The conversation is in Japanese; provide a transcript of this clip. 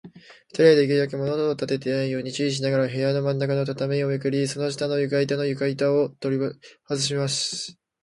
ふたりは、できるだけ物音をたてないように注意しながら、部屋のまんなかの畳をめくり、その下の床板ゆかいたをとりはずしました。